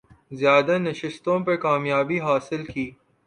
زیادہ نشستوں پر کامیابی حاصل کی